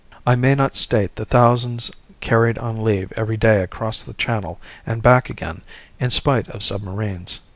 I may not state the thousands carried on leave every day across the channel and back again in spite of submarines.